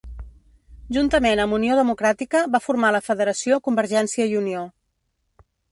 Juntament amb Unió Democràtica va formar la federació Convergència i Unió.